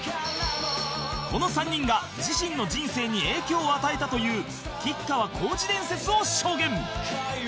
この３人が自身の人生に影響を与えたという吉川晃司伝説を証言